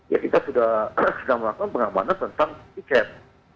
ya kita sudah melakukan pengamanan tentang tiket